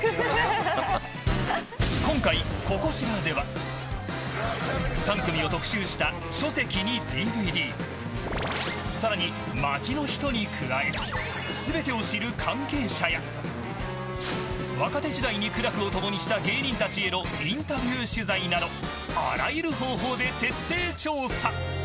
今回、ココ調では３組を特集した書籍にＤＶＤさらに街の人に加え全てを知る関係者や若手時代に苦楽を共にした芸人たちへのインタビュー取材などあらゆる方法で徹底調査。